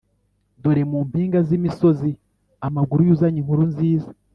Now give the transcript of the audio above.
Dore mu mpinga z’imisozi amaguru y’uzanye inkuru nziza